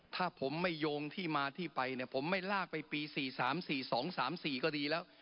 ถ้าผมไม่โยงที่มาที่ไปเนี่ยผมไม่ลากไปปี๔๓๔๒๓๔ก็ดีแล้ว